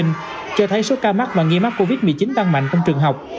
cho thấy số ca mắc mà nghi mắc covid một mươi chín tăng mạnh trong trường học